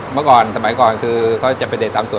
มันต้องไปหาเด็ดเก่าตามสวน